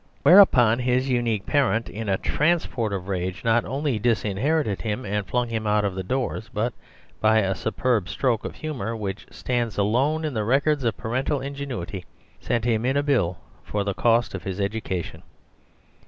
Whereupon his unique parent, in a transport of rage, not only disinherited him and flung him out of doors, but by a superb stroke of humour, which stands alone in the records of parental ingenuity, sent him in a bill for the cost of his education.